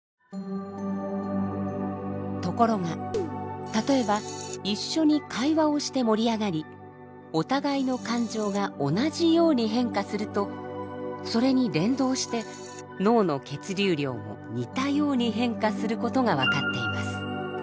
ところが例えば一緒に会話をして盛り上がりお互いの感情が同じように変化するとそれに連動して脳の血流量も似たように変化することが分かっています。